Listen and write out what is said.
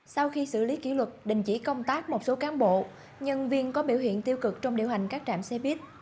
sau khi xử lý kỷ luật đình chỉ công tác một số cán bộ nhân viên có biểu hiện tiêu cực trong điều hành các trạm xe buýt